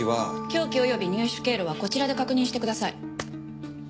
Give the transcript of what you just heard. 凶器および入手経路はこちらで確認してください。